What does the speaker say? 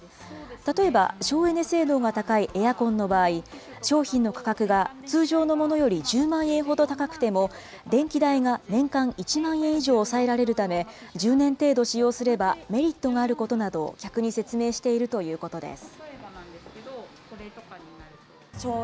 例えば、省エネ性能が高いエアコンの場合、商品の価格が通常のものより１０万円ほど高くても、電気代が年間１万円以上抑えられるため、１０年程度使用すればメリットがあることなどを、客に説明しているということです。